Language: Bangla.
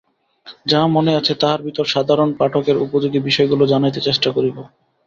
যাহা মনে আছে, তাহার ভিতর সাধারণ-পাঠকের উপযোগী বিষয়গুলি জানাইতে চেষ্টা করিব।